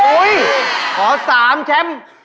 โอ๊ยขอ๓แชมป์